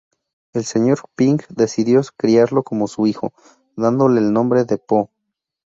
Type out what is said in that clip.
El Sr. Ping decidió criarlo como su hijo, dándole el nombre de Po.